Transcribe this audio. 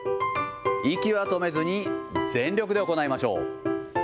息は止めずに、全力で行いましょう。